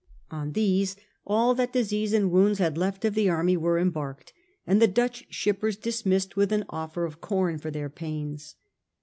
On these all that disease and wounds had left of the army were embarked, and the Dutch shippers dismissed with an offer of com for their pains.